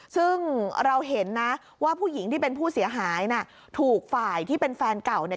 ซึ่งเราเห็นนะว่าผู้หญิงที่เป็นผู้เสียหายน่ะถูกฝ่ายที่เป็นแฟนเก่าเนี่ย